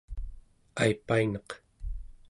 aipaineq